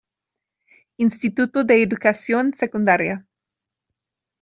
Instituto de Educación Secundaria.